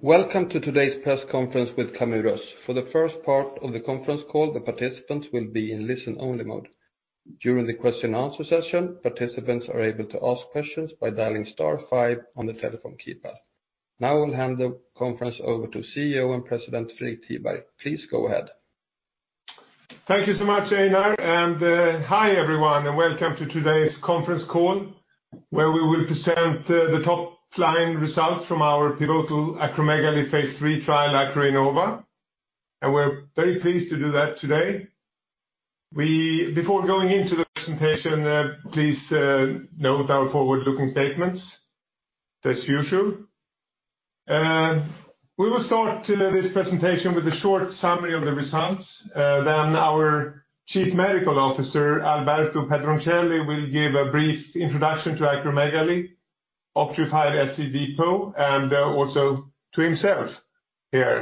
Welcome to today's press conference with Camurus. For the first part of the conference call, the participants will be in listen-only mode. During the question and answer session, participants are able to ask questions by dialing star five on the telephone keypad. Now, I will hand the conference over to CEO and President, Fredrik Tiberg. Please go ahead. Thank you so much, Einar, hi, everyone, and welcome to today's conference call, where we will present the top-line results from our pivotal acromegaly Phase 3 trial, ACROINNOVA 1. We're very pleased to do that today. Before going into the presentation, please note our forward-looking statements as usual. We will start this presentation with a short summary of the results, then our Chief Medical Officer, Alberto M. Pedroncelli, will give a brief introduction to acromegaly, octreotide SC depot, and also to himself here.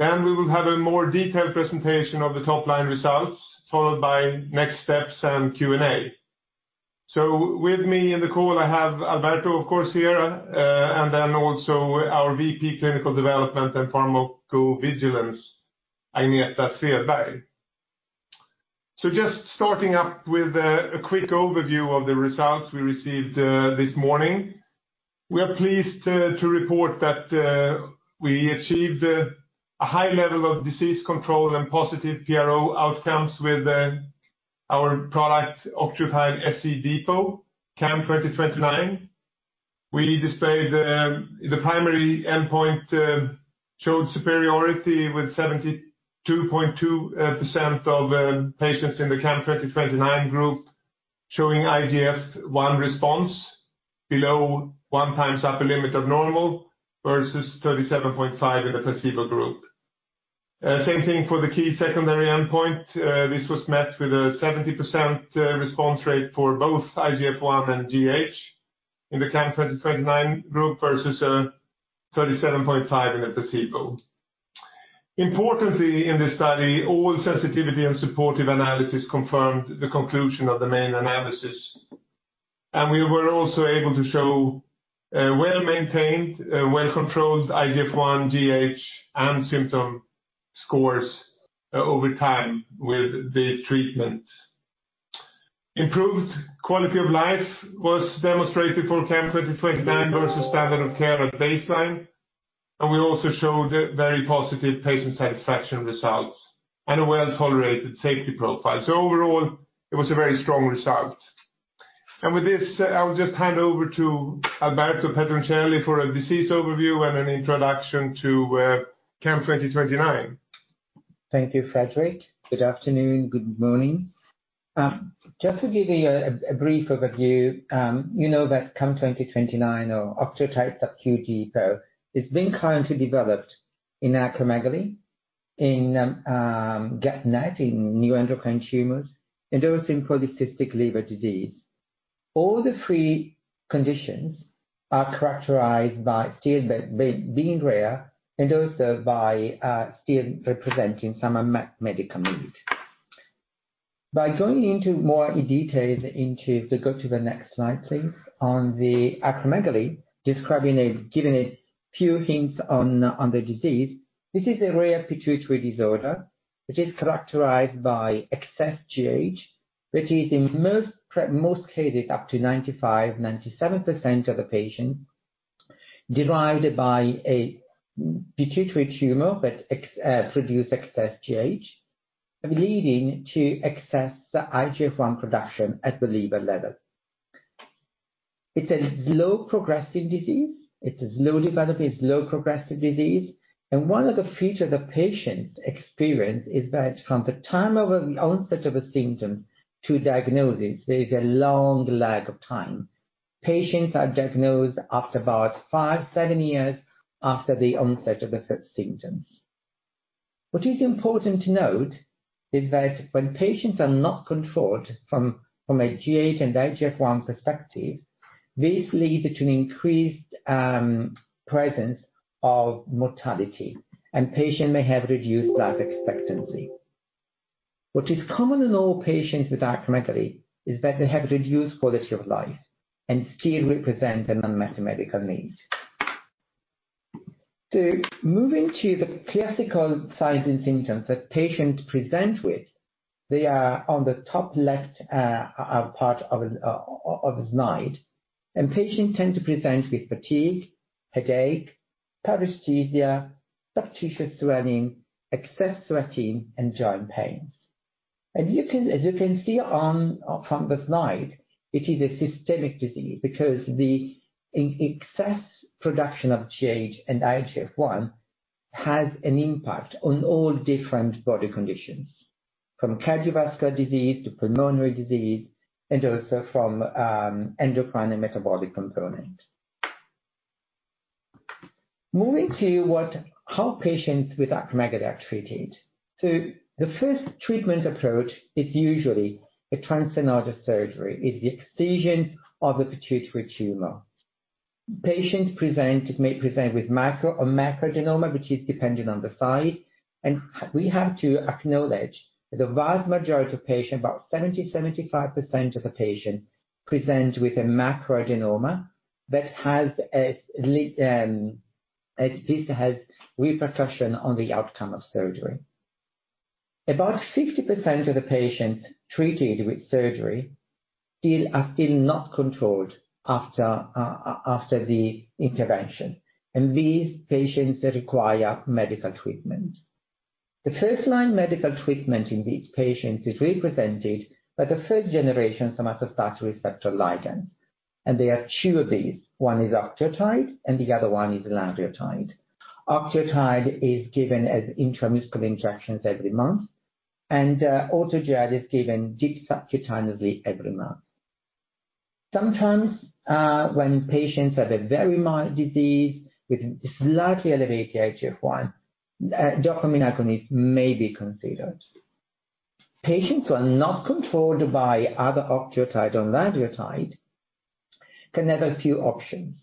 We will have a more detailed presentation of the top-line results, followed by next steps and Q&A. With me in the call, I have Alberto, of course, here, and then also our VP, Clinical Development and Pharmacovigilance, Agneta Svedberg. Just starting up with a quick overview of the results we received this morning. We are pleased to report that we achieved a high level of disease control and positive PRO outcomes with our product, octreotide SC depot, CAM2029. We displayed the primary endpoint showed superiority with 72.2% of patients in the CAM2029 group, showing IGF-1 response below 1 times upper limit of normal, versus 37.5% in the placebo group. Same thing for the key secondary endpoint. This was met with a 70% response rate for both IGF-1 and GH in the CAM2029 group versus 37.5% in the placebo. Importantly, in this study, all sensitivity and supportive analysis confirmed the conclusion of the main analysis. We were also able to show well-maintained, well-controlled IGF-1, GH, and symptom scores over time with the treatment. Improved quality of life was demonstrated for CAM2029 versus standard of care at baseline. We also showed very positive patient satisfaction results and a well-tolerated safety profile. Overall, it was a very strong result. With this, I will just hand over to Alberto M. Pedroncelli for a disease overview and an introduction to CAM2029. Thank you, Fredrik. Good afternoon, good morning. Just to give you a brief overview, you know that CAM2029 or octreotide SC depot, is being currently developed in acromegaly, in GEP-NET, in neuroendocrine tumors, and also in polycystic liver disease. All the three conditions are characterized by still being rare and also by still representing some unmet medical need. By going into more details. Go to the next slide, please. On the acromegaly, describing giving a few hints on the disease. This is a rare pituitary disorder, which is characterized by excess GH, which is in most cases, up to 95%, 97% of the patient, derived by a pituitary tumor that produce excess GH, leading to excess IGF-1 production at the liver level. It's a slow progressive disease. It's a slow developing, slow progressive disease, and one of the features the patients experience is that from the time of an onset of a symptom to diagnosis, there is a long lag of time. Patients are diagnosed after about five, seven years after the onset of the first symptoms. What is important to note is that when patients are not controlled from a GH and IGF-1 perspective, this leads to an increased presence of mortality, and patient may have reduced life expectancy. What is common in all patients with acromegaly is that they have a reduced quality of life and still represent an unmet medical need. Moving to the classical signs and symptoms that patients present with, they are on the top left part of the slide, patients tend to present with fatigue, headache, paresthesia, subcutaneous swelling, excess sweating, and joint pains. As you can see from this slide, it is a systemic disease because the excess production of GH and IGF-1 has an impact on all different body conditions, from cardiovascular disease to pulmonary disease, and also from endocrine and metabolic component. Moving to how patients with acromegaly are treated. The first treatment approach is usually a transsphenoidal surgery, is the excision of the pituitary tumor. Patients may present with micro or macroadenoma, which is dependent on the size. We have to acknowledge that the vast majority of patients, about 70%-75% of the patients, present with a macroadenoma that has repercussion on the outcome of surgery. About 60% of the patients treated with surgery still are not controlled after the intervention, and these patients require medical treatment. The first-line medical treatment in these patients is represented by the first-generation somatostatin receptor ligand, and there are two of these. One is octreotide, and the other one is lanreotide. Octreotide is given as intramuscular injections every month, and Autogel is given deep subcutaneously every month. Sometimes, when patients have a very mild disease with slightly elevated IGF-I, dopamine agonist may be considered. Patients who are not controlled by either octreotide or lanreotide can have a few options.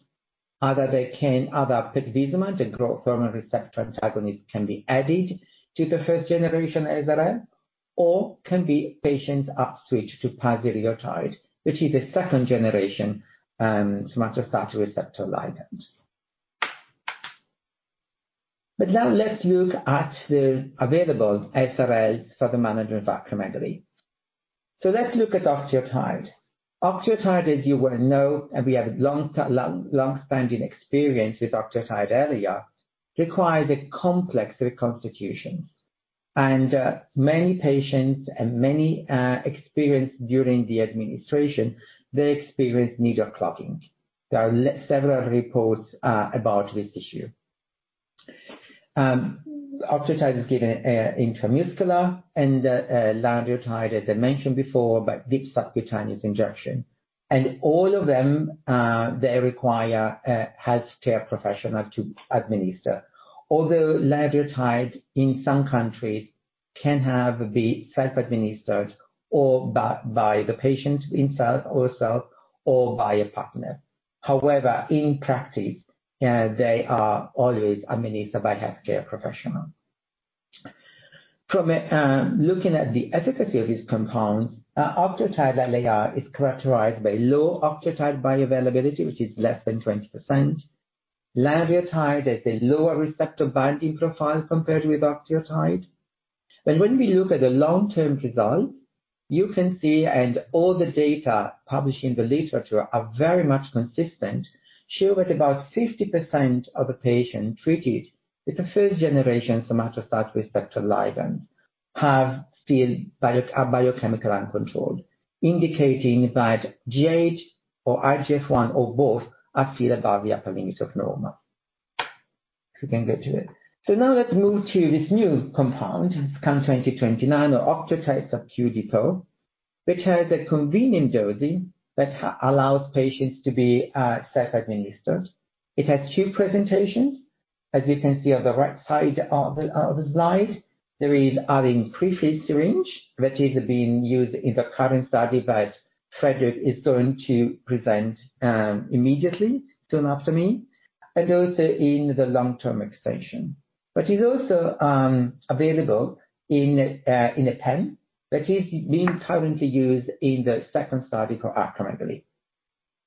Either pegvisomant, a growth hormone receptor antagonist, can be added to the first generation SRL, or can be patients up switch to pasireotide, which is a second-generation somatostatin receptor ligand. Now let's look at the available SRLs for the management of acromegaly. Let's look at octreotide. Octreotide, as you well know, and we have a long, long-standing experience with octreotide earlier, requires a complex reconstitution. Many patients and many experience during the administration, they experience needle clogging. There are several reports about this issue. Octreotide is given intramuscular and lanreotide, as I mentioned before, by deep subcutaneous injection. All of them, they require a healthcare professional to administer. Although lanreotide, in some countries, can be self-administered or by the patient himself or herself or by a partner. However, in practice, they are always administered by a healthcare professional. From a, looking at the efficacy of these compounds, octreotide LAR is characterized by low octreotide bioavailability, which is less than 20%. Lanreotide has a lower receptor binding profile compared with octreotide. When we look at the long-term results, you can see, and all the data published in the literature are very much consistent, show that about 50% of the patients treated with the first-generation somatostatin receptor ligand are biochemical uncontrolled, indicating that GH or IGF-I, or both, are still above the upper limit of normal. You can go to it. Now let's move to this new compound, CAM2029 or octreotide SC depot, which has a convenient dosing that allows patients to be self-administered. It has two presentations, as you can see on the right side of the slide. There is adding pre-filled syringe, which is being used in the current study that Fredrik is going to present immediately, soon after me, and also in the long-term extension. It's also available in a pen that is being currently used in the second study for acromegaly.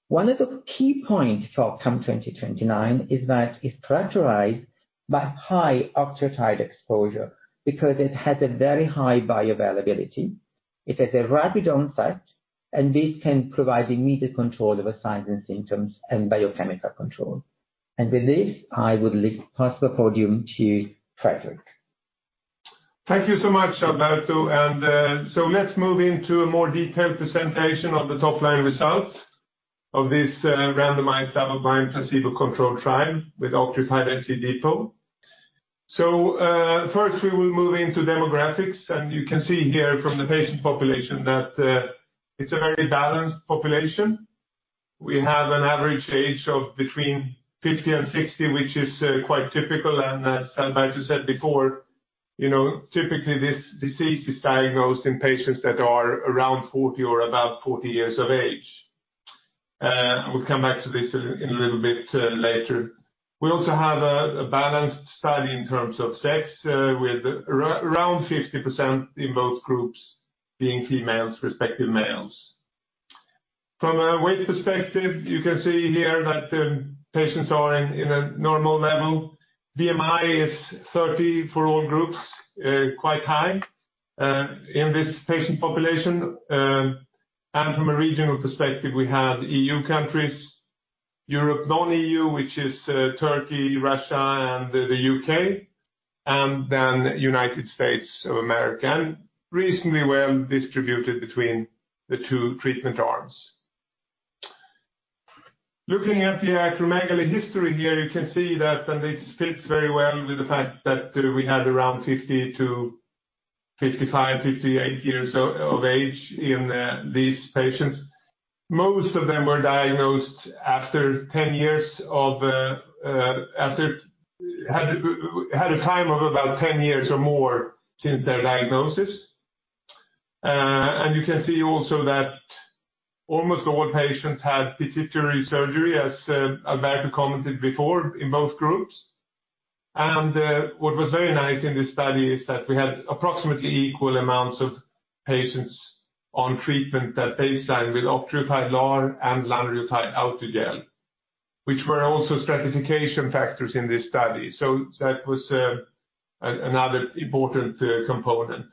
One of the key points for CAM2029 is that it's characterized by high octreotide exposure because it has a very high bioavailability. It has a rapid onset, and this can provide immediate control of the signs and symptoms and biochemical control. With this, I would like to pass the podium to Fredrik. Thank you so much, Alberto. Let's move into a more detailed presentation of the top-line results of this randomized, double-blind, placebo-controlled trial with octreotide SC depot. First, we will move into demographics, and you can see here from the patient population that it's a very balanced population. We have an average age of between 50 and 60, which is quite typical. As Alberto said before, you know, typically this disease is diagnosed in patients that are around 40 or about 40 years of age. We'll come back to this in a little bit later. We also have a balanced study in terms of sex, with around 50% in both groups being females, respective to males. From a weight perspective, you can see here that patients are in a normal level. BMI is 30 for all groups, quite high in this patient population. From a regional perspective, we have EU countries, Europe, non-EU, which is Turkey, Russia, and the U.K., and then United States of America, and reasonably well distributed between the two treatment arms. Looking at the acromegaly history here, you can see that, and this fits very well with the fact that we had around 50 to 55, 58 years of age in these patients. Most of them were diagnosed after 10 years of had a time of about 10 years or more since their diagnosis. You can see also that almost all patients had pituitary surgery, as Alba commented before, in both groups. What was very nice in this study is that we had approximately equal amounts of patients on treatment at baseline with octreotide LAR and lanreotide Autogel, which were also stratification factors in this study. That was another important component.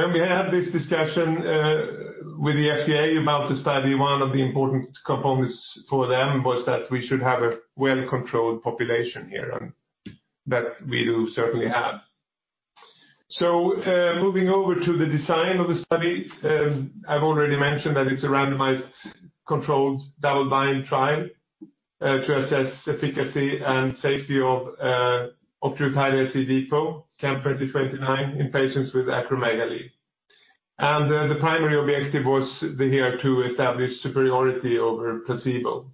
When we had this discussion with the FDA about the study, one of the important components for them was that we should have a well-controlled population here, and that we do certainly have. Moving over to the design of the study, I've already mentioned that it's a randomized controlled double-blind trial to assess efficacy and safety of octreotide SC depot, CAM2029, in patients with acromegaly. The primary objective was here to establish superiority over placebo.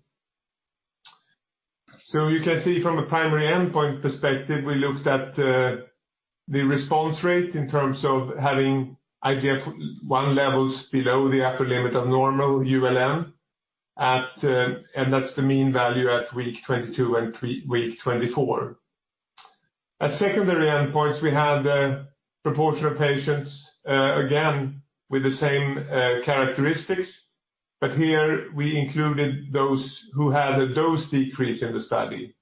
You can see from a primary endpoint perspective, we looked at the response rate in terms of having IGF-1 levels below the upper limit of normal ULN at the mean value at week 22 and week 24. Secondary endpoints, we had a proportion of patients again, with the same characteristics, but here we included those who had a dose decrease in the study.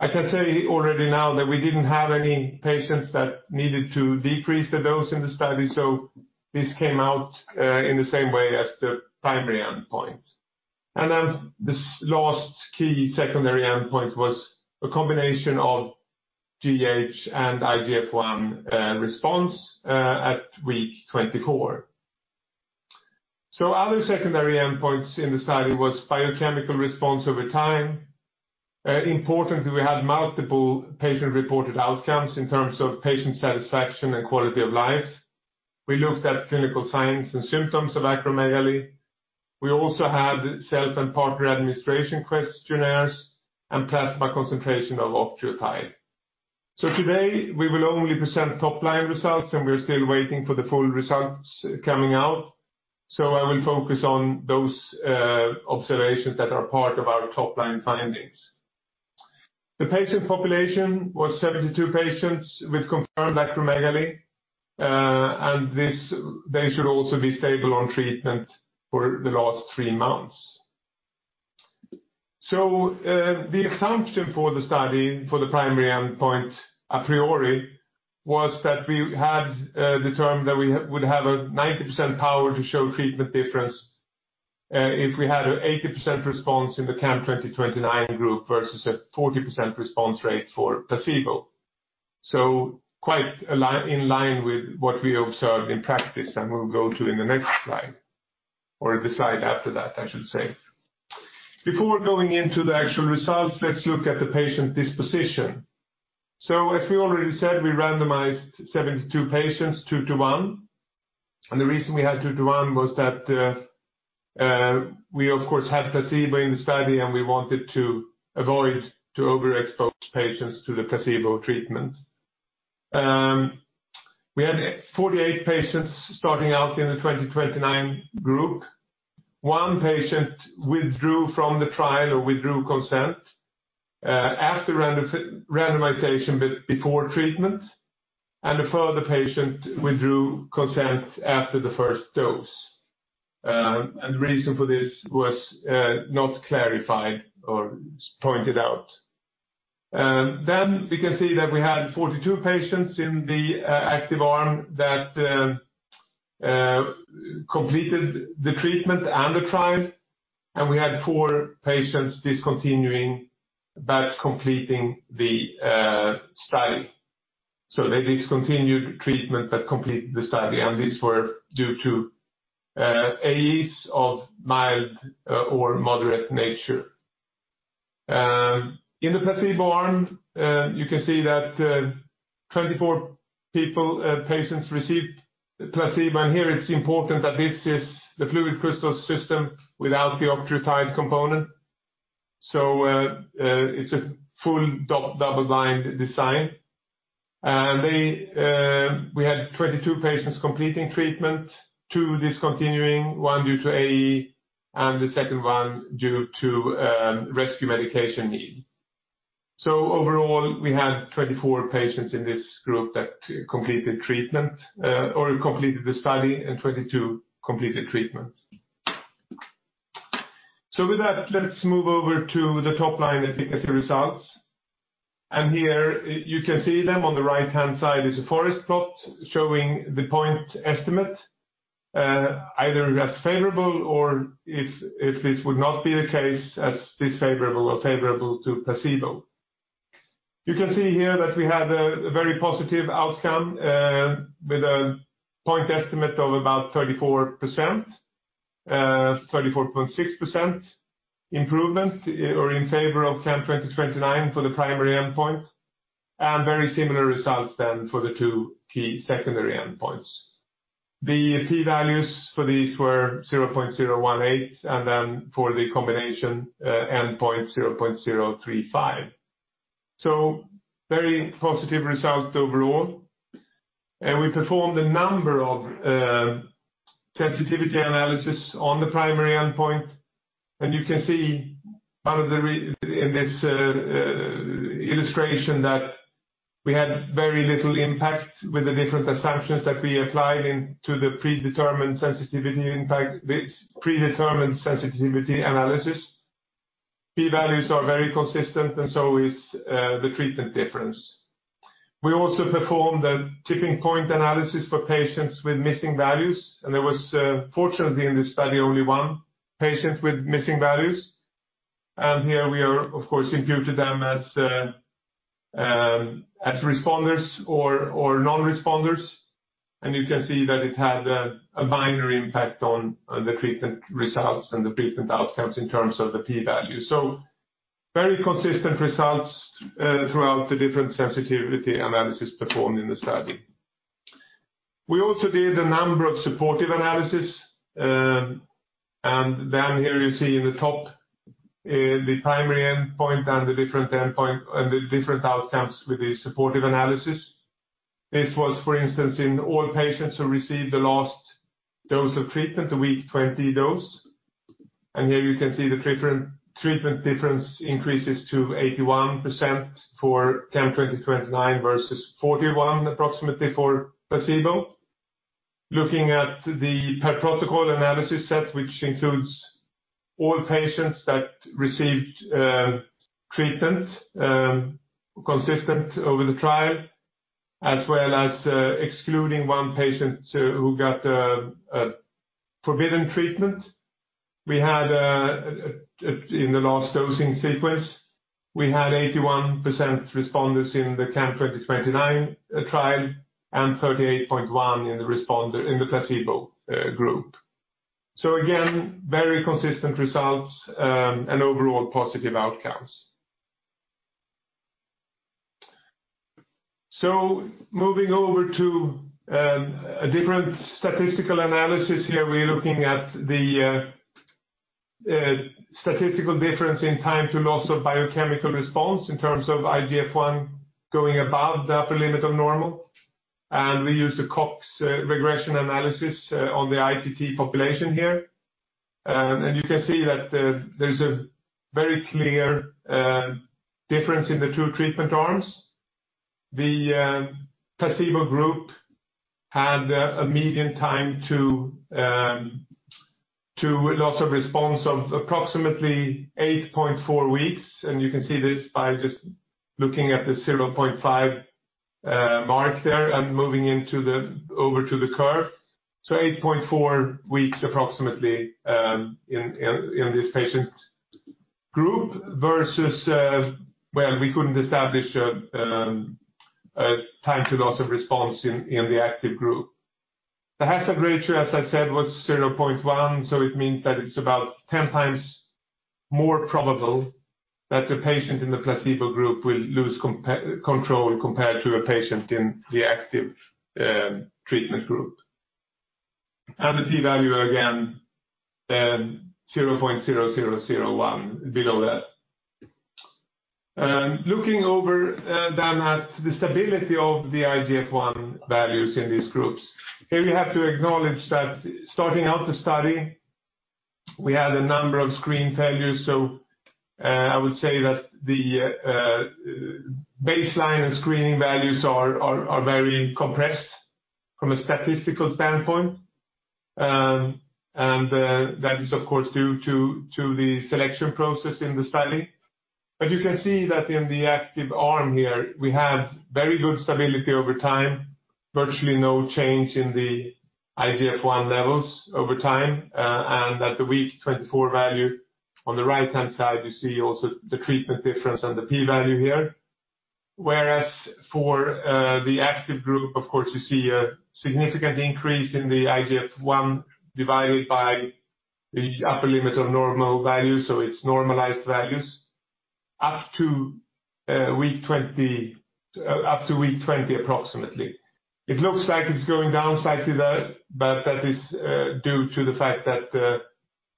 I can say already now that we didn't have any patients that needed to decrease the dose in the study, this came out in the same way as the primary endpoint. This last key secondary endpoint was a combination of GH and IGF-1 response at week 24. Other secondary endpoints in the study was biochemical response over time. Importantly, we had multiple patient-reported outcomes in terms of patient satisfaction and quality of life. We looked at clinical signs and symptoms of acromegaly. We also had self and partner administration questionnaires and plasma concentration of octreotide. Today, we will only present top-line results, and we're still waiting for the full results coming out. I will focus on those observations that are part of our top-line findings. The patient population was 72 patients with confirmed acromegaly, and they should also be stable on treatment for the last 3 months. The assumption for the study, for the primary endpoint, a priori, was that we determined that we would have a 90% power to show treatment difference if we had an 80% response in the CAM2029 group versus a 40% response rate for placebo. Quite in line with what we observed in practice, and we'll go to in the next slide, or the slide after that, I should say. Before going into the actual results, let's look at the patient disposition. As we already said, we randomized 72 patients, 2 to 1. The reason we had 2 to 1 was that we, of course, had placebo in the study, and we wanted to avoid to overexpose patients to the placebo treatment. We had 48 patients starting out in the CAM2029 group. One patient withdrew from the trial or withdrew consent after randomization, but before treatment, and a further patient withdrew consent after the first dose. The reason for this was not clarified or pointed out. We can see that we had 42 patients in the active arm that completed the treatment and the trial, and we had 4 patients discontinuing, but completing the study. They discontinued treatment but completed the study, and these were due to AEs of mild or moderate nature. In the placebo arm, you can see that 24 people patients received placebo. Here, it's important that this is the FluidCrystal system without the octreotide component. It's a full double-blind design. They, we had 22 patients completing treatment, 2 discontinuing, 1 due to AE, and the second one due to rescue medication need. Overall, we had 24 patients in this group that completed treatment, or completed the study, and 22 completed treatment. With that, let's move over to the top line efficacy results. Here you can see them. On the right-hand side is a forest plot showing the point estimate, either as favorable or if this would not be the case, as unfavorable or favorable to placebo. You can see here that we have a very positive outcome, with a point estimate of about 34%, 34.6% improvement or in favor of CAM2029 for the primary endpoint, and very similar results then for the two key secondary endpoints. The p-values for these were 0.018, and then for the combination, endpoint, 0.035. Very positive results overall. We performed a number of sensitivity analysis on the primary endpoint, you can see out of the in this illustration that we had very little impact with the different assumptions that we applied in to the predetermined sensitivity impact, this predetermined sensitivity analysis. P-values are very consistent and so is the treatment difference. We also performed a tipping point analysis for patients with missing values, and there was, fortunately in this study, only one patient with missing values. Here we are, of course, imputed them as responders or non-responders. You can see that it had a minor impact on the treatment results and the treatment outcomes in terms of the p-value. Very consistent results throughout the different sensitivity analysis performed in the study. We also did a number of supportive analysis. Here you see in the top, the primary endpoint and the different endpoint and the different outcomes with the supportive analysis. This was, for instance, in all patients who received the last dose of treatment, the week 20 dose. Here you can see the treatment difference increases to 81% for CAM2029 versus 41%, approximately for placebo. Looking at the per protocol analysis set, which includes all patients that received treatment consistent over the trial, as well as excluding 1 patient who got a forbidden treatment. We had in the last dosing sequence, we had 81% responders in the CAM2029 trial and 38.1% in the responder in the placebo group. Again, very consistent results and overall positive outcomes. Moving over to a different statistical analysis here, we're looking at the statistical difference in time to loss of biochemical response in terms of IGF-I going above the upper limit of normal. We use the Cox regression analysis on the ITT population here. You can see that there's a very clear difference in the two treatment arms. The placebo group had a median time to loss of response of approximately 8.4 weeks, and you can see this by just looking at the 0.5 mark there and moving over to the curve. 8.4 weeks, approximately, in this patient group versus, well, we couldn't establish a time to loss of response in the active group. The hazard ratio, as I said, was 0.1, so it means that it's about 10x more probable that the patient in the placebo group will lose control compared to a patient in the active treatment group. The p-value, again, 0.0001 below that. Looking over then at the stability of the IGF-I values in these groups, here we have to acknowledge that starting out the study, we had a number of screen failures, so I would say that the baseline and screening values are very compressed from a statistical standpoint. That is, of course, due to the selection process in the study. You can see that in the active arm here, we have very good stability over time, virtually no change in the IGF-I levels over time, and that the week 24 value on the right-hand side, you see also the treatment difference and the p-value here. The active group, of course, you see a significant increase in the IGF-I divided by the upper limit of normal value, so it's normalized values, up to week 20, approximately. It looks like it's going down slightly there, but that is due to the fact that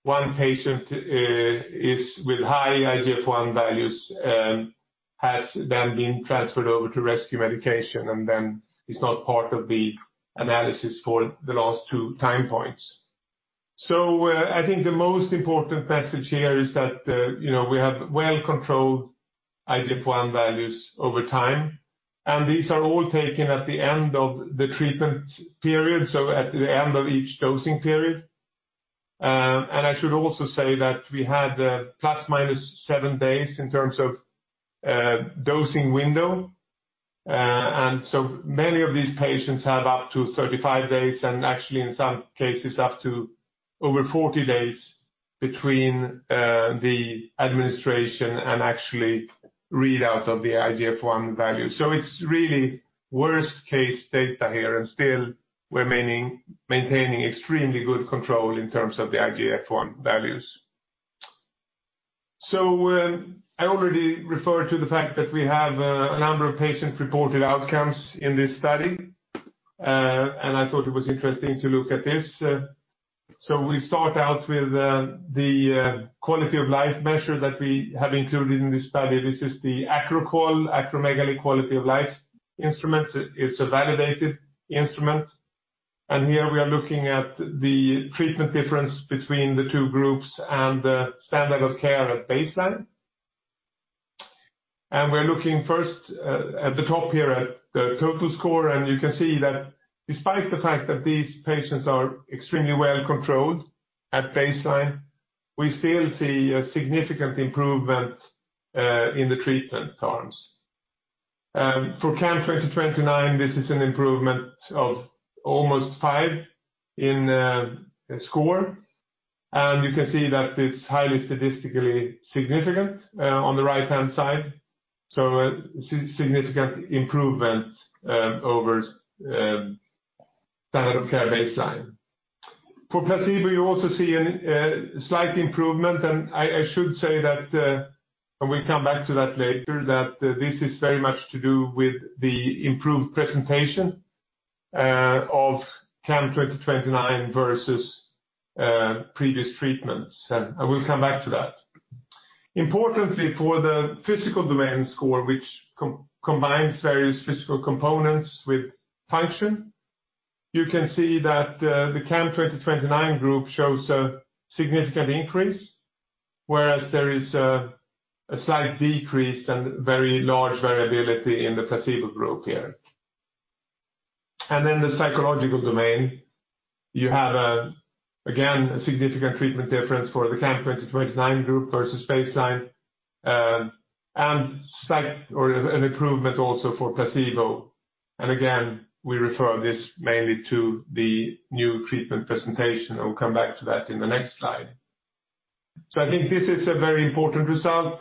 1 patient is with high IGF-I values, has then been transferred over to rescue medication, and then is not part of the analysis for the last 2 time points. I think the most important message here is that, you know, we have well-controlled IGF-I values over time, and these are all taken at the end of the treatment period, so at the end of each dosing period. I should also say that we had a ±7 days in terms of dosing window. Many of these patients have up to 35 days, and actually in some cases, up to over 40 days between the administration and actually read out of the IGF-I value. It's really worst case data here and still maintaining extremely good control in terms of the IGF-I values. I already referred to the fact that we have a number of patient-reported outcomes in this study, I thought it was interesting to look at this. We start out with the quality of life measure that we have included in this study. This is the AcroQoL, Acromegaly Quality of Life instrument. It's a validated instrument, here we are looking at the treatment difference between the two groups and the standard of care at baseline. We're looking first at the top here at the total score, you can see that despite the fact that these patients are extremely well controlled at baseline, we still see a significant improvement in the treatment arms. For CAM2029, this is an improvement of almost 5 in the score, and you can see that it's highly statistically significant on the right-hand side, a significant improvement over standard of care baseline. For placebo, you also see a slight improvement. I should say that we come back to that later, that this is very much to do with the improved presentation of CAM2029 versus previous treatments, and I will come back to that. Importantly, for the physical domain score, which combines various physical components with function, you can see that the CAM2029 group shows a significant increase, whereas there is a slight decrease and very large variability in the placebo group here. Then the psychological domain, you have again a significant treatment difference for the CAM2029 group versus baseline, and slight or an improvement also for placebo. Again, we refer this mainly to the new treatment presentation, and we'll come back to that in the next slide. I think this is a very important result.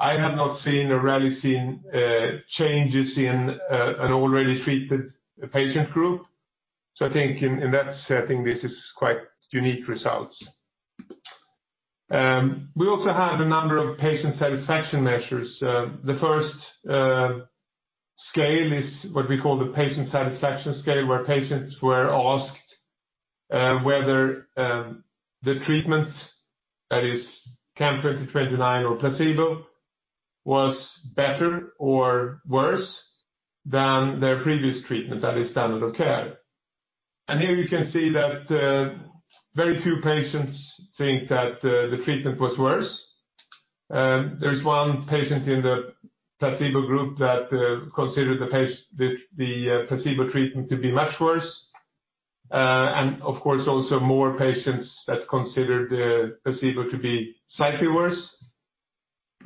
I have not seen or rarely seen changes in an already treated patient group. I think in that setting, this is quite unique results. We also have a number of patient satisfaction measures. The first scale is what we call the patient satisfaction scale, where patients were asked whether the treatment, that is CAM2029 or placebo, was better or worse than their previous treatment, that is standard of care. Here you can see that very few patients think that the treatment was worse. There is one patient in the placebo group that considered the placebo treatment to be much worse. Of course, also more patients that considered the placebo to be slightly worse.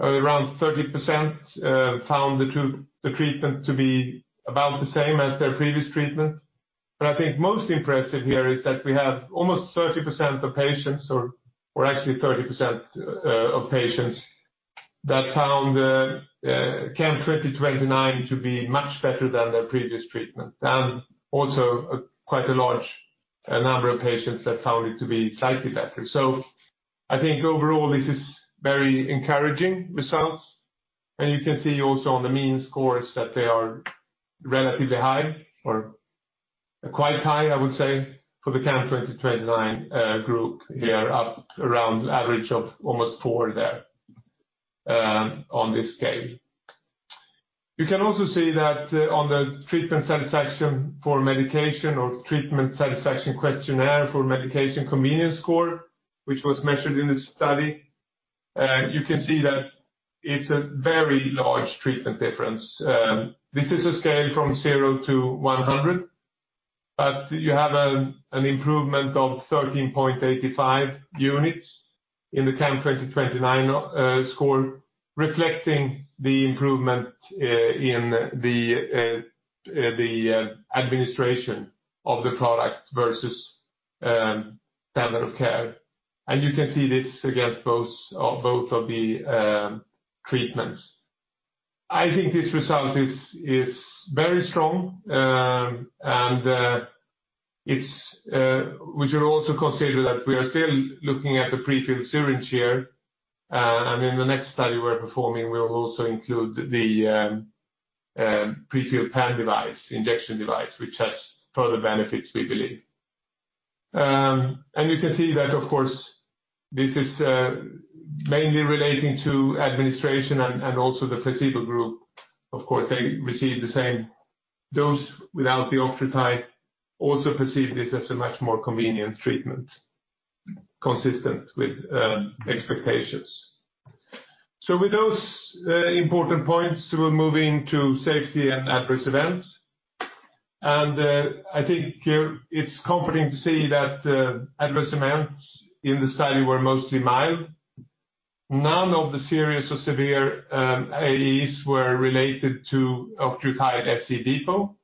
Around 30% found the treatment to be about the same as their previous treatment. I think most impressive here is that we have almost 30% of patients, or actually 30% of patients that found CAM2029 to be much better than their previous treatment, and also quite a large number of patients that found it to be slightly better. I think overall, this is very encouraging results, and you can see also on the mean scores that they are relatively high or quite high, I would say, for the CAM2029 group here, up around average of almost 4 there on this scale. You can also see that on the Treatment Satisfaction Questionnaire for Medication convenience score, which was measured in this study, you can see that it's a very large treatment difference. This is a scale from 0-100, but you have an improvement of 13.85 units in the CAM2029 score, reflecting the improvement in the administration of the product versus standard of care. You can see this against both of the treatments. I think this result is very strong. We should also consider that we are still looking at the prefilled syringe here, and in the next study we're performing, we'll also include the prefilled pen device, injection device, which has further benefits, we believe. You can see that, of course, this is mainly relating to administration and also the placebo group. Of course, they received the same dose without the octreotide, also perceived this as a much more convenient treatment, consistent with, expectations. With those, important points, we're moving to safety and adverse events. I think it's comforting to see that adverse events in the study were mostly mild. None of the serious or severe AEs were related to octreotide SC depot,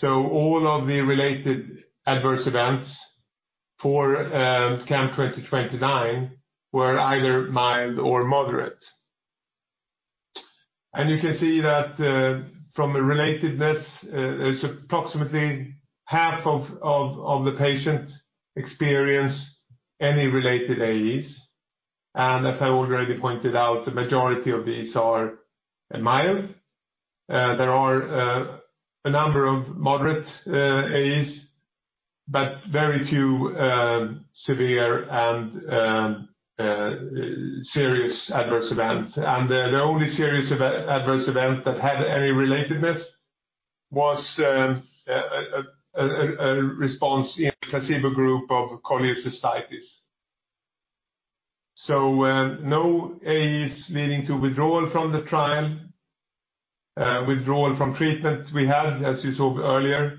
so all of the related adverse events for CAM2029 were either mild or moderate. You can see that, from a relatedness, it's approximately half of the patients experience any related AEs, and as I already pointed out, the majority of these are mild. there are a number of moderate AEs, but very few severe and serious adverse events. The only serious adverse event that had any relatedness was a response in placebo group of colitis. No AEs leading to withdrawal from the trial, withdrawal from treatment we had, as you saw earlier.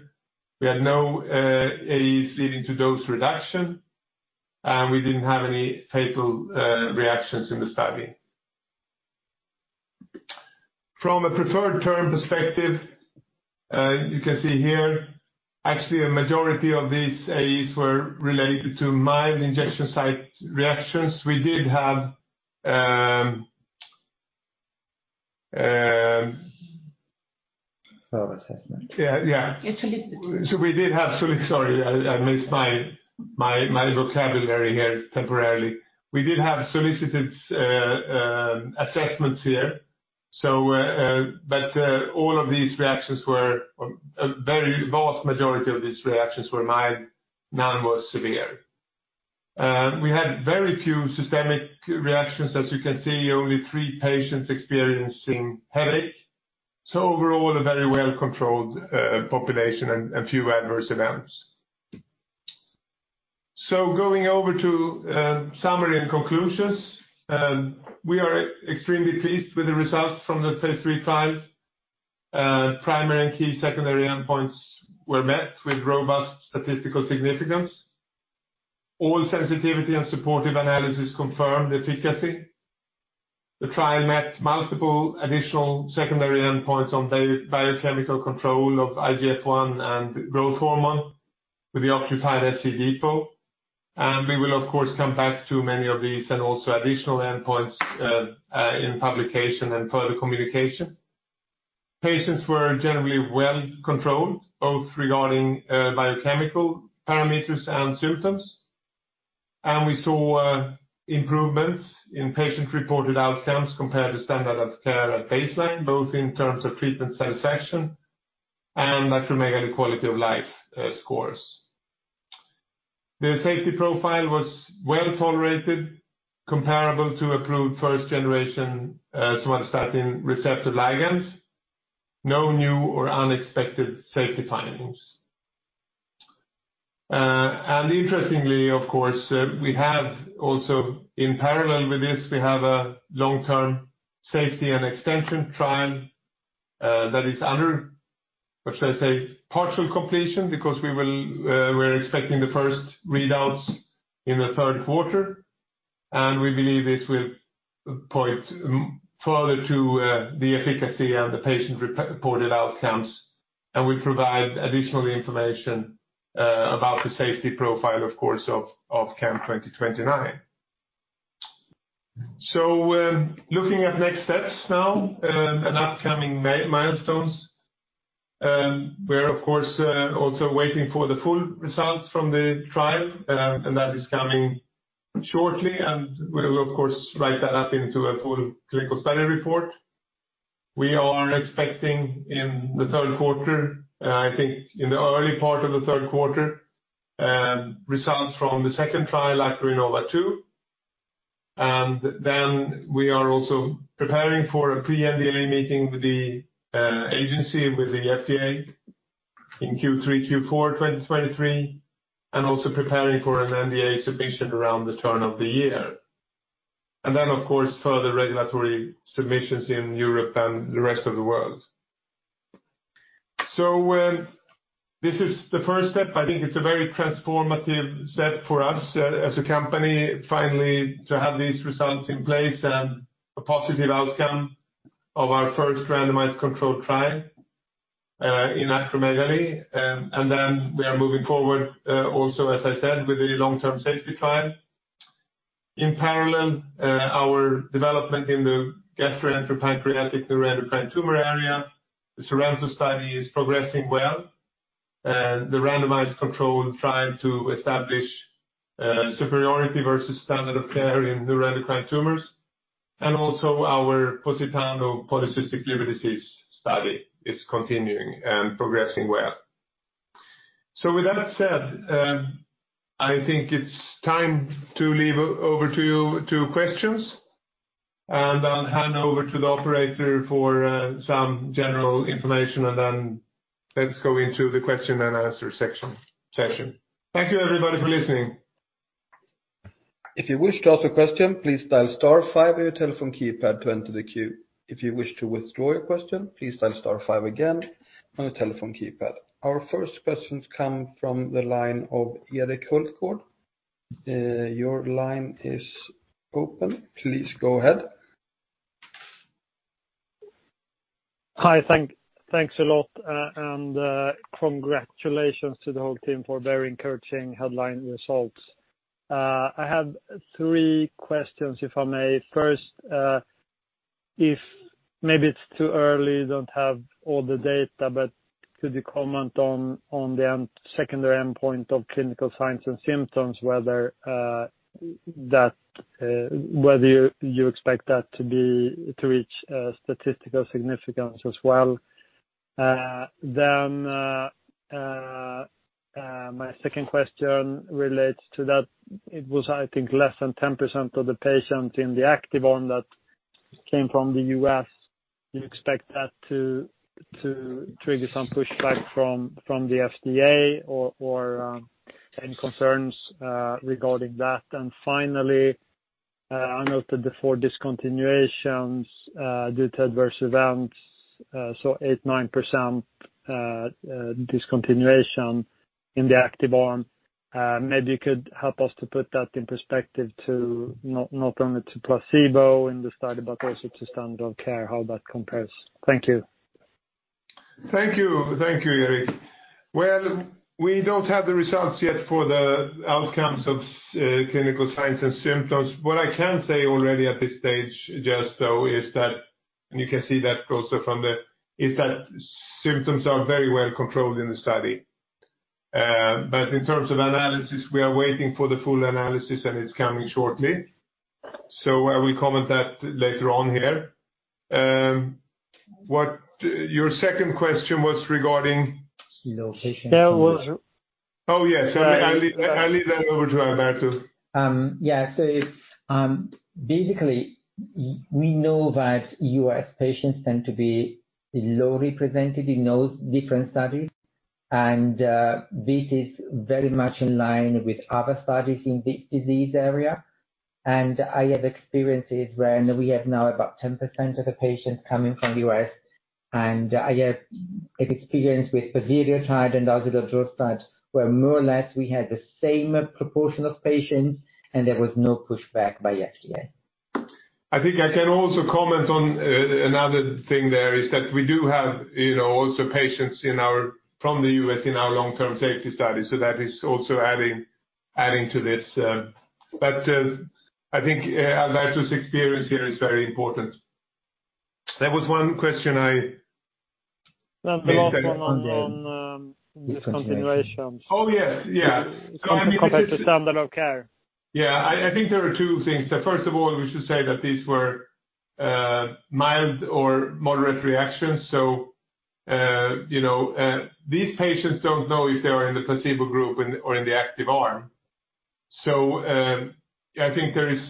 We had no AEs leading to dose reduction, and we didn't have any fatal reactions in the study. From a preferred term perspective, you can see here, actually, a majority of these AEs were related to mild injection site reactions. We did have Self-assessment. Yeah, yeah. It's a little- We did have solicited assessments here. All of these reactions were, a very vast majority of these reactions were mild, none were severe. We had very few systemic reactions, as you can see, only three patients experiencing headache. Overall, a very well-controlled population and few adverse events. Going over to summary and conclusions, we are extremely pleased with the results from the Phase 3 trial. Primary and key secondary endpoints were met with robust statistical significance. All sensitivity and supportive analysis confirmed efficacy. The trial met multiple additional secondary endpoints on biochemical control of IGF-1 and growth hormone with the octreotide SC depot. We will, of course, come back to many of these and also additional endpoints in publication and further communication. Patients were generally well controlled, both regarding biochemical parameters and symptoms. We saw improvements in patient-reported outcomes compared to standard of care at baseline, both in terms of treatment satisfaction and Acromegaly Quality of Life scores. The safety profile was well tolerated, comparable to approved first-generation somatostatin receptor ligands. No new or unexpected safety findings. Interestingly, of course, we have also, in parallel with this, we have a long-term safety and extension trial that is under, or should I say, partial completion, because we will, we're expecting the first readouts in the third quarter, and we believe this will point further to the efficacy and the patient-reported outcomes. We provide additional information about the safety profile, of course, of CAM2029. Looking at next steps now, and upcoming milestones, we're of course, also waiting for the full results from the trial, that is coming shortly, and we will, of course, write that up into a full clinical study report. We are expecting in the third quarter, I think in the early part of the third quarter, results from the second trial, ACROINNOVA 2. We are also preparing for a pre-NDA meeting with the agency, with the FDA in Q3, Q4, 2023, and also preparing for an NDA submission around the turn of the year. Of course, further regulatory submissions in Europe and the rest of the world. This is the first step. I think it's a very transformative step for us as a company, finally, to have these results in place and a positive outcome of our first randomized control trial in acromegaly. We are moving forward, also, as I said, with the long-term safety trial. In parallel, our development in the gastroenteropancreatic neuroendocrine tumor area, the SORENTO study is progressing well, the randomized control trial to establish superiority versus standard of care in neuroendocrine tumors, and also our POSITANO polycystic liver disease study is continuing and progressing well. With that said, I think it's time to leave over to you to questions, and I'll hand over to the operator for some general information, and then let's go into the question and answer section. Thank you, everybody, for listening. If you wish to ask a question, please dial star five on your telephone keypad to enter the queue. If you wish to withdraw your question, please dial star five again on the telephone keypad. Our first questions come from the line of Erik Hultgård. Your line is open. Please go ahead. Hi, thanks a lot, and congratulations to the whole team for very encouraging headline results. I have three questions, if I may. First, if maybe it's too early, you don't have all the data, but. Could you comment on the secondary endpoint of clinical signs and symptoms, whether that, whether you expect that to reach statistical significance as well? Then, my second question relates to that. It was, I think, less than 10% of the patients in the active arm that came from the U.S. Do you expect that to trigger some pushback from the FDA or any concerns regarding that? Finally, I noted the four discontinuations due to adverse events, so 8%, 9% discontinuation in the active arm. Maybe you could help us to put that in perspective to not only to placebo in the study, but also to standard of care, how that compares. Thank you. Thank you. Thank you, Erik. We don't have the results yet for the outcomes of clinical signs and symptoms. What I can say already at this stage, just so, is that, and you can see that also from the... Is that symptoms are very well controlled in the study. In terms of analysis, we are waiting for the full analysis, and it's coming shortly. I will comment that later on here. Your second question was regarding? Location. That was- Oh, yes. I'll leave that over to Alberto. Yeah. Basically, we know that U.S. patients tend to be low represented in those different studies, and this is very much in line with other studies in this disease area. I have experiences when we have now about 10% of the patients coming from U.S., and I have experience with pasireotide and octreotide, where more or less we had the same proportion of patients. There was no pushback by FDA. I think I can also comment on another thing there, is that we do have, you know, also patients from the U.S. in our long-term safety study, so that is also adding to this. I think Alberto’s experience here is very important. There was one question. The last one on discontinuation. Oh, yes, yeah. Compared to standard of care. I think there are two things. First of all, we should say that these were mild or moderate reactions. You know, these patients don't know if they are in the placebo group or in the active arm. I think there is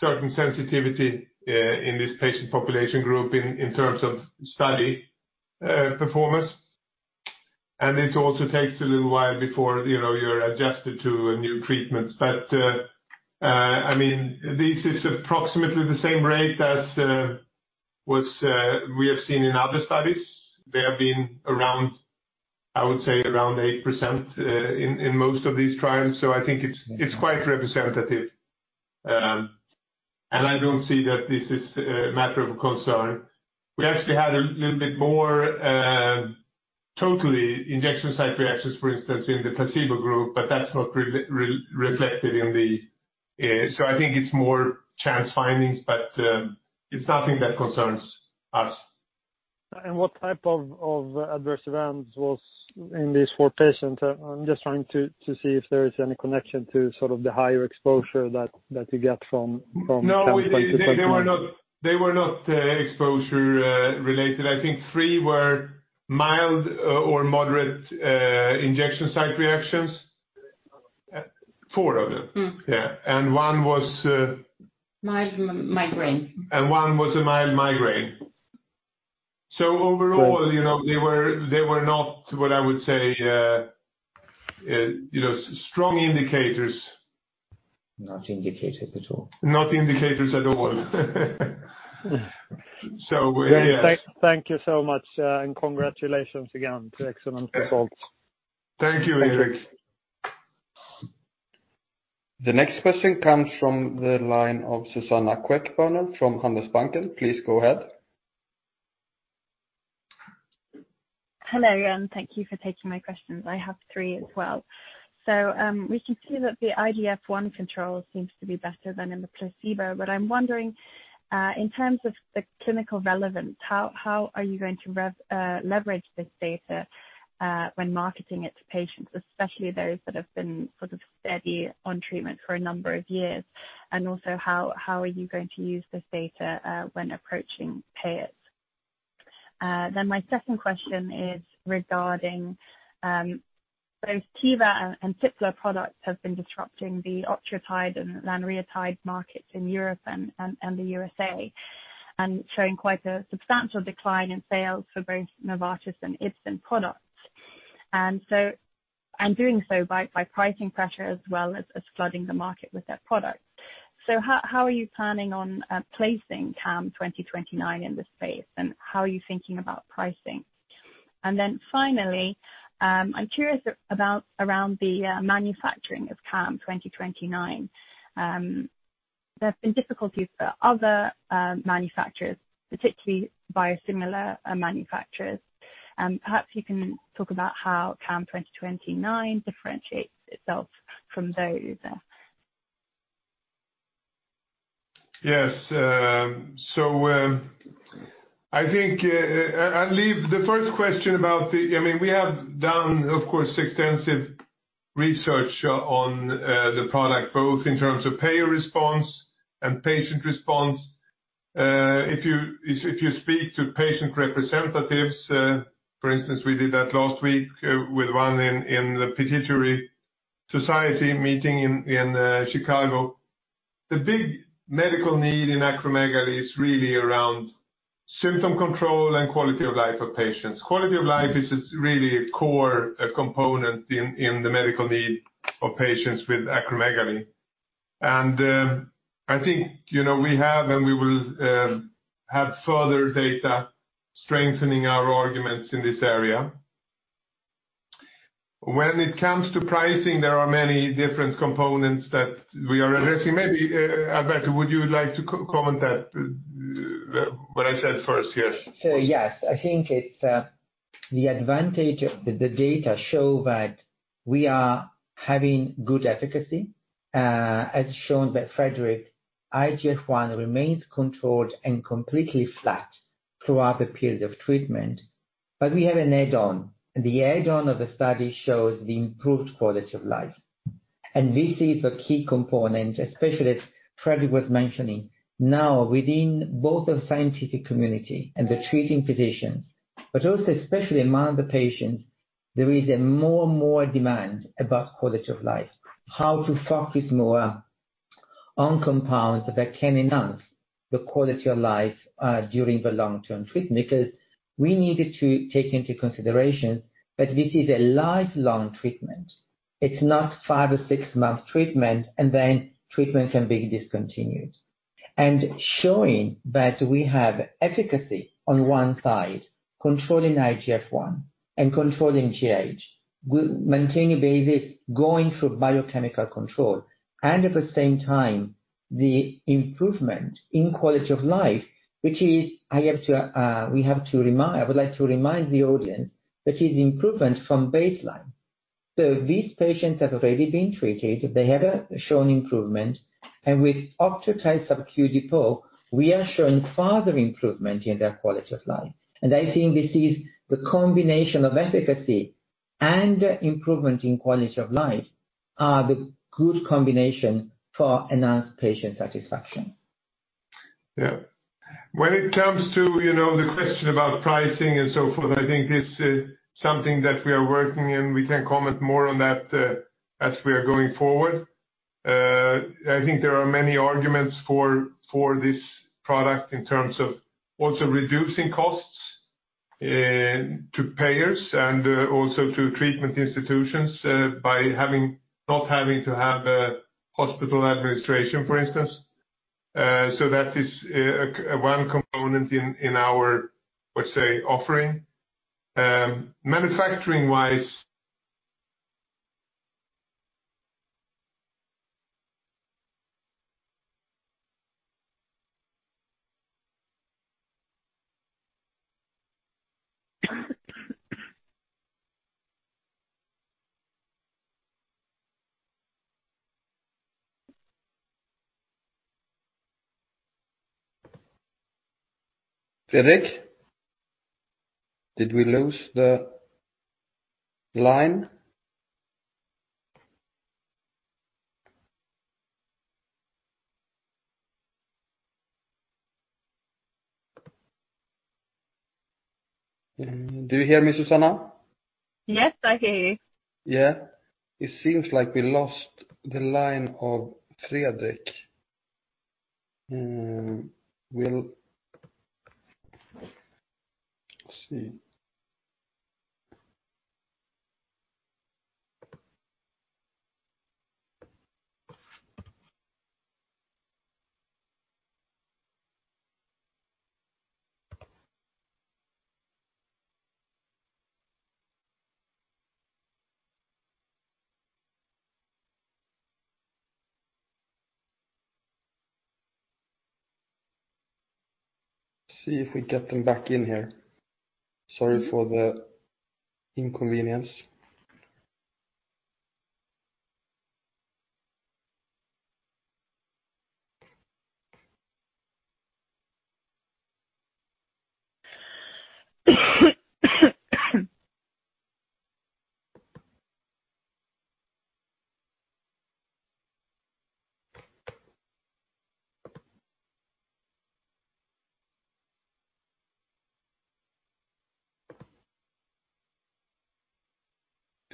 certain sensitivity in this patient population group in terms of study performance. It also takes a little while before, you know, you're adjusted to a new treatment. I mean, this is approximately the same rate as what we have seen in other studies. They have been around, I would say, around 8% in most of these trials, so I think it's quite representative. I don't see that this is a matter of concern. We actually had a little bit more, totally injection site reactions, for instance, in the placebo group, but that's not reflected in the. I think it's more chance findings, but it's nothing that concerns us. What type of adverse events was in these four patients? I'm just trying to see if there is any connection to sort of the higher exposure that you get from. No, they were not exposure related. I think 3 were mild or moderate injection site reactions. 4 of them. Mm. Yeah, one was. Mild migraine. One was a mild migraine. Overall. Good... you know, they were not what I would say, you know, strong indicators. Not indicators at all. Not indicators at all. Yes. Thank you so much. Congratulations again for excellent results. Thank you, Erik. The next question comes from the line of Suzanna Queckbörner from Handelsbanken. Please go ahead. Hello, thank you for taking my questions. I have three as well. We can see that the IGF-I control seems to be better than in the placebo, but I'm wondering in terms of the clinical relevance, how are you going to leverage this data when marketing it to patients, especially those that have been sort of steady on treatment for a number of years? Also, how are you going to use this data when approaching payers? Then my second question is regarding both Teva and Tipler products have been disrupting the octreotide and lanreotide markets in Europe and the USA, and showing quite a substantial decline in sales for both Novartis and Ipsen products. and doing so by pricing pressure, as well as flooding the market with their products. How are you planning on placing CAM2029 in this space, and how are you thinking about pricing? Finally, I'm curious about around the manufacturing of CAM2029. There have been difficulties for other manufacturers, particularly biosimilar manufacturers. Perhaps you can talk about how CAM2029 differentiates itself from those? Yes, so, I think, I leave the first question about, I mean, we have done, of course, extensive research on the product, both in terms of payer response and patient response. If you, if you speak to patient representatives, for instance, we did that last week, with one in the Pituitary Society meeting in Chicago. The big medical need in acromegaly is really around symptom control and quality of life of patients. Quality of life is just really a core component in the medical need of patients with acromegaly. I think, you know, we have, and we will, have further data strengthening our arguments in this area. When it comes to pricing, there are many different components that we are addressing. Maybe, Alberto, would you like to co-comment that, what I said first? Yes. Yes, I think it's the advantage of the data show that we are having good efficacy, as shown by Fredrik, IGF-I remains controlled and completely flat throughout the period of treatment. We have an add-on, and the add-on of the study shows the improved quality of life. This is a key component, especially as Fredrik was mentioning, now within both the scientific community and the treating physicians, but also especially among the patients, there is a more and more demand about quality of life, how to focus more on compounds that can enhance the quality of life during the long-term treatment. We needed to take into consideration that this is a lifelong treatment. It's not 5 or 6 months treatment, and then treatment can be discontinued. Showing that we have efficacy on one side, controlling IGF-I and controlling GH, we maintain a basis going through biochemical control. At the same time, the improvement in quality of life, which is I would like to remind the audience, that is improvement from baseline. These patients have already been treated, they have shown improvement, and with octreotide SC depot, we are showing further improvement in their quality of life. I think this is the combination of efficacy and improvement in quality of life, are the good combination for enhanced patient satisfaction. When it comes to, you know, the question about pricing and so forth, I think this is something that we are working in. We can comment more on that as we are going forward. I think there are many arguments for this product in terms of also reducing costs to payers and also to treatment institutions by not having to have a hospital administration, for instance. So that is one component in our, let's say, offering. Manufacturing-wise... Fredrik, did we lose the line? Do you hear me, Suzanna? Yes, I hear you. Yeah. It seems like we lost the line of Fredrik. We'll see. See if we get them back in here. Sorry for the inconvenience.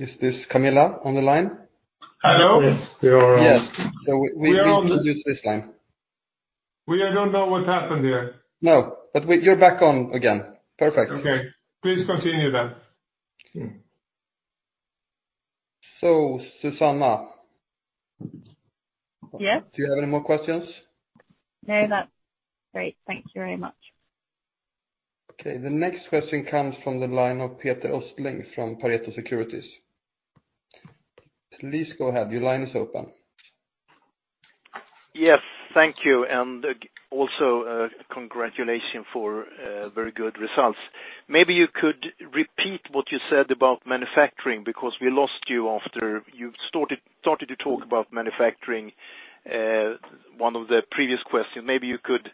Is this Camilla on the line? Hello? Yes, we are on. Yes. We. We are on. introduce this time. We don't know what happened here. No. You're back on again. Perfect. Okay. Please continue then. Suzanna. Yes? Do you have any more questions? No, that's great. Thank you very much. Okay. The next question comes from the line of Peter Östling, from Pareto Securities. Please go ahead. Your line is open. Yes, thank you, and also, congratulations for very good results. Maybe you could repeat what you said about manufacturing, because we lost you after you started to talk about manufacturing, one of the previous questions. Maybe you could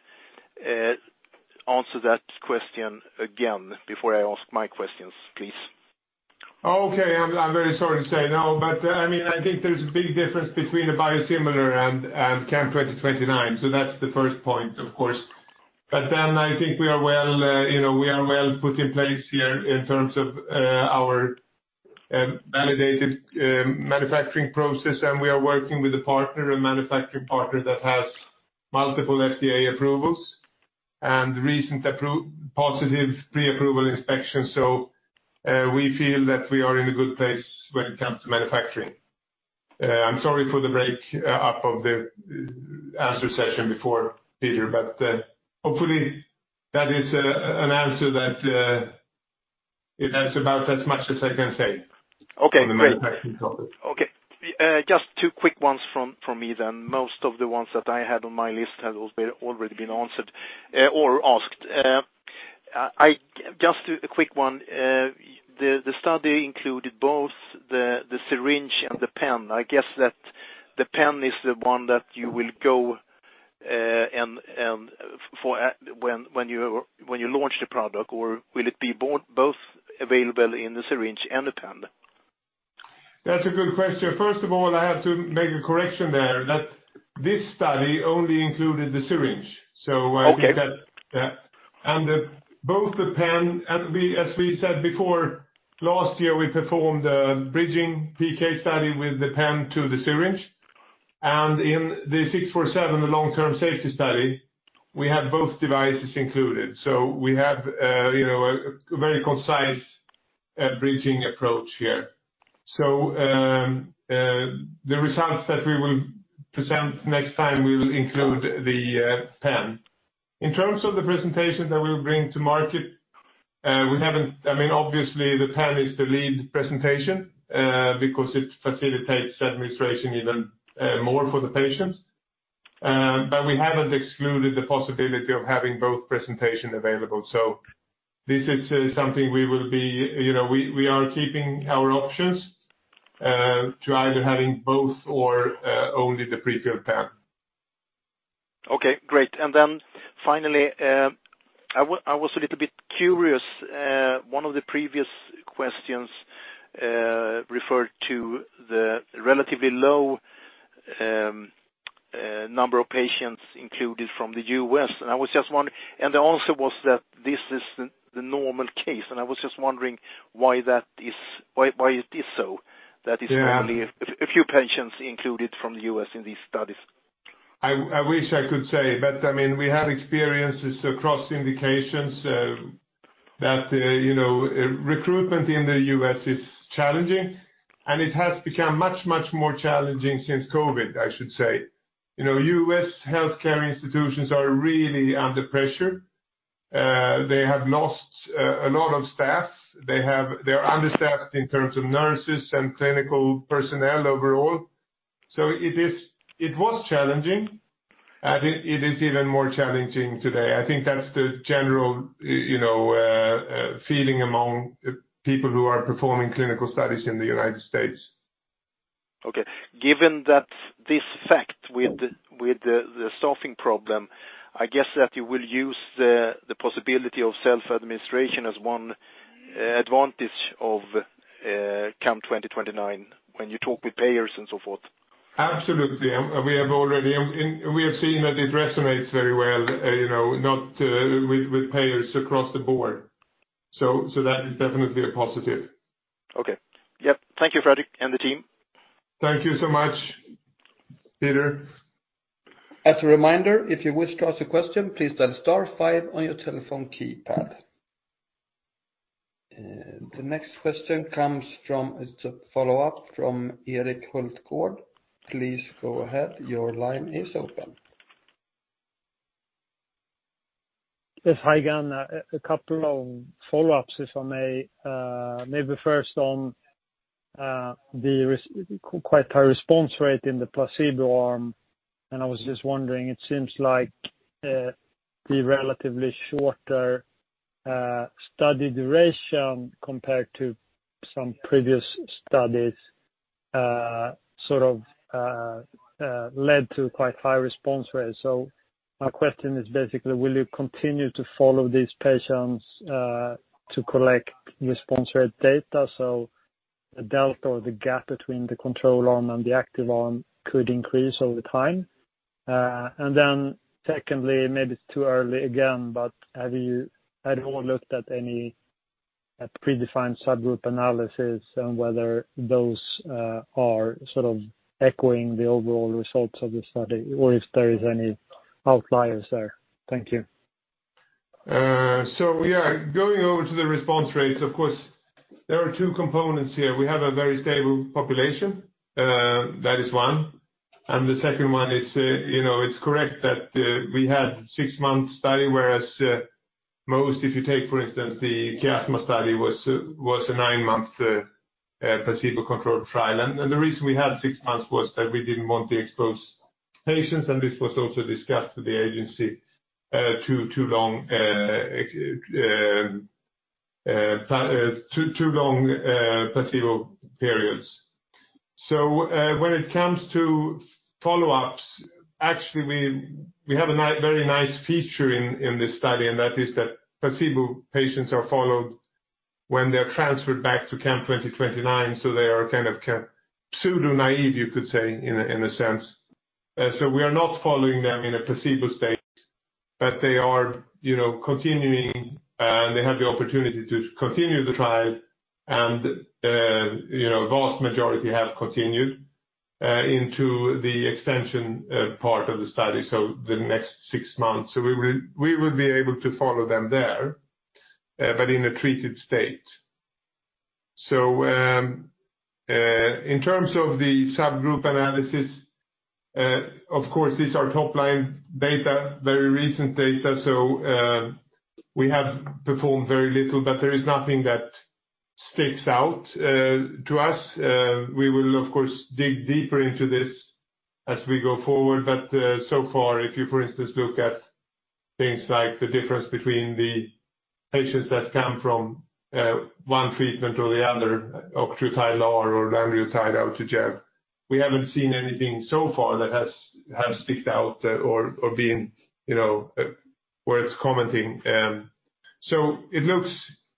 answer that question again before I ask my questions, please. Okay. I'm very sorry to say no, but, I mean, I think there's a big difference between a biosimilar and CAM2029. That's the first point, of course. I think we are well, you know, we are well put in place here in terms of our validated manufacturing process, and we are working with a partner, a manufacturing partner that has multiple FDA approvals and recent positive pre-approval inspection. We feel that we are in a good place when it comes to manufacturing. I'm sorry for the break up of the answer session before, Peter, but hopefully that is an answer that it has about as much as I can say. Okay, great. On the manufacturing topic. Just two quick ones from me then. Most of the ones that I had on my list have already been answered or asked. Just a quick one. The study included both the syringe and the pen. I guess that the pen is the one that you will go and when you launch the product, or will it be both available in the syringe and the pen? That's a good question. First of all, I have to make a correction there, that this study only included the syringe. Okay. I think that, yeah. Both the pen as we said before, last year, we performed a bridging PK study with the pen to the syringe. In the 647, the long-term safety study, we have both devices included. We have, you know, a very concise bridging approach here. The results that we will present next time will include the pen. In terms of the presentation that we'll bring to market, I mean, obviously, the pen is the lead presentation because it facilitates administration even more for the patients. We haven't excluded the possibility of having both presentations available. This is something You know, we are keeping our options to either having both or only the prefilled pen. Okay, great. Finally, I was a little bit curious. One of the previous questions referred to the relatively low number of patients included from the U.S. I was just wondering. The answer was that this is the normal case. I was just wondering why that is, why it is so. Yeah... only a few patients included from the U.S. in these studies. I wish I could say, but, I mean, we have experiences across indications, that, you know, recruitment in the U.S. is challenging, and it has become much, much more challenging since COVID, I should say. You know, U.S. healthcare institutions are really under pressure. They have lost a lot of staff. They are understaffed in terms of nurses and clinical personnel overall. It was challenging, and it is even more challenging today. I think that's the general, you know, feeling among people who are performing clinical studies in the United States. Okay. Given that this fact with the staffing problem, I guess that you will use the possibility of self-administration as one advantage of CAM2029 when you talk with payers and so forth. Absolutely. We have already, and we have seen that it resonates very well, you know, not with payers across the board. That is definitely a positive. Okay. Yep. Thank you, Fredrik, and the team. Thank you so much, Peter. As a reminder, if you wish to ask a question, please dial star five on your telephone keypad. The next question. It's a follow-up from Erik Hultgård. Please go ahead. Your line is open. Yes, hi, again. A couple of follow-ups, if I may. Maybe first on the quite high response rate in the placebo arm, and I was just wondering, it seems like the relatively shorter study duration compared to some previous studies sort of led to quite high response rates. My question is basically, will you continue to follow these patients to collect response rate data so the delta or the gap between the control arm and the active arm could increase over time? Secondly, maybe it's too early again, but have you at all looked at any predefined subgroup analysis and whether those are sort of echoing the overall results of the study, or if there is any outliers there? Thank you. Yeah, going over to the response rates, of course, there are two components here. We have a very stable population, that is one, and the second one is, you know, it's correct that we had 6 months study, whereas most, if you take, for instance, the Chiasma study was a 9-month placebo-controlled trial. The reason we had 6 months was that we didn't want to expose patients, and this was also discussed with the agency, too long placebo periods. When it comes to follow-ups, actually, we have a very nice feature in this study, and that is that placebo patients are followed when they are transferred back to CAM2029, so they are kind of pseudo-naive, you could say, in a, in a sense. We are not following them in a placebo state, but they are, you know, continuing, and they have the opportunity to continue the trial. You know, vast majority have continued into the extension part of the study, so the next six months. We will be able to follow them there, but in a treated state. In terms of the subgroup analysis, of course, these are top-line data, very recent data, so we have performed very little, but there is nothing that sticks out to us. We will, of course, dig deeper into this as we go forward, but so far, if you, for instance, look at things like the difference between the patients that come from one treatment or the other, octreotide LAR or lanreotide Autogel. We haven't seen anything so far that has sticked out or been, you know, worth commenting. It looks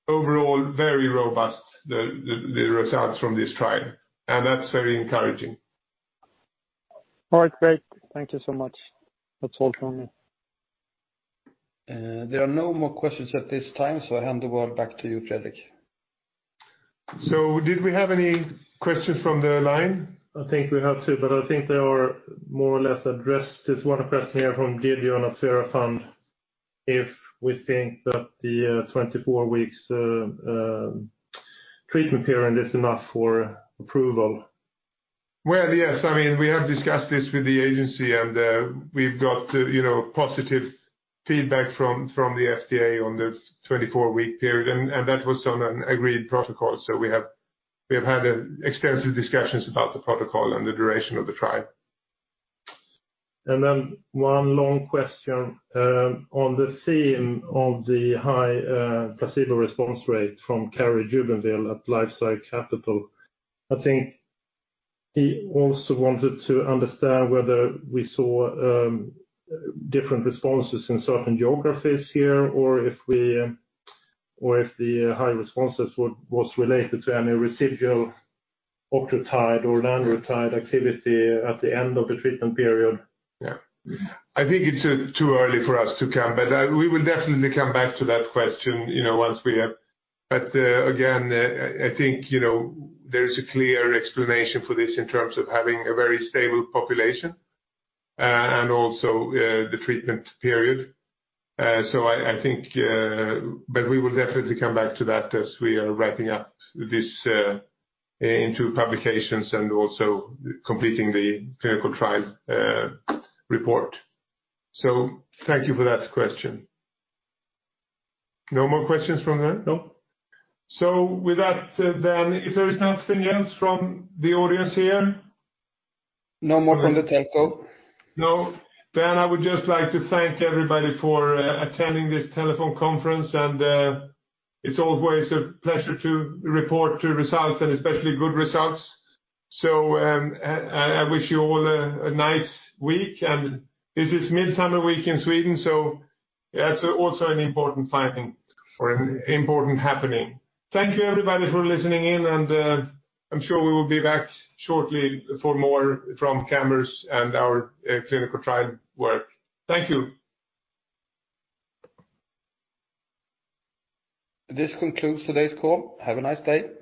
overall very robust, the results from this trial, and that's very encouraging. All right, great. Thank you so much. That's all from me. There are no more questions at this time, so I hand the word back to you, Fredrik. Did we have any questions from the line? I think we have two, but I think they are more or less addressed. There's one question here from Didier on Afira Fund, if we think that the 24 weeks treatment period is enough for approval? Well, yes. I mean, we have discussed this with the agency. We've got, you know, positive feedback from the FDA on the 24-week period. That was on an agreed protocol. We have had extensive discussions about the protocol and the duration of the trial. One long question on the theme of the high placebo response rate from Cory Jubinville at LifeSci Capital. I think he also wanted to understand whether we saw different responses in certain geographies here, or if we or if the high responses was related to any residual octreotide or lanreotide activity at the end of the treatment period. Yeah. I think it's too early for us to come. We will definitely come back to that question, you know, once we have... Again, I think, you know, there is a clear explanation for this in terms of having a very stable population, and also, the treatment period. I think... We will definitely come back to that as we are wrapping up this into publications and also completing the clinical trial report. Thank you for that question. No more questions from there? No. With that, then, if there is nothing else from the audience here? No more from the telco. I would just like to thank everybody for attending this telephone conference, and it's always a pleasure to report the results and especially good results. I wish you all a nice week, and this is Midsummer week in Sweden, so that's also an important finding or an important happening. Thank you, everybody, for listening in, and I'm sure we will be back shortly for more from Camurus and our clinical trial work. Thank you. This concludes today's call. Have a nice day.